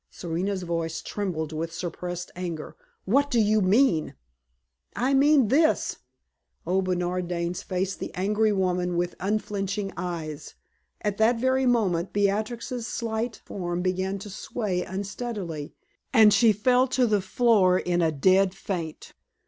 Serena's voice trembled with suppressed anger. "What do you mean?" "I mean this!" Old Bernard Dane faced the angry woman with unflinching eyes. At that very moment Beatrix's slight form began to sway unsteadily, and she fell to the floor in a dead faint.